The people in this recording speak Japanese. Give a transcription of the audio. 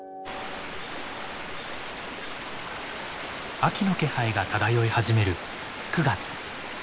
秋の気配が漂い始める９月。